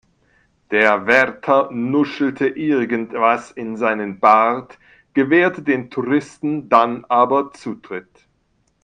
Der Wärter nuschelte irgendwas in seinen Bart, gewährte den Touristen dann aber Zutritt.